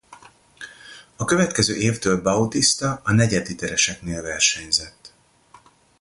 A következő évtől Bautista a negyedlitereseknél versenyzett.